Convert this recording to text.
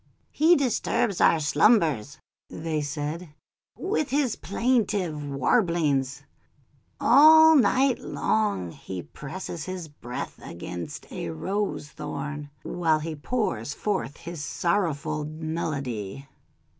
"He disturbs our slumbers," they said, "'with his plaintive warblings. All night long he presses his breast against a rose thorn, while he pours forth his sorrowful melody."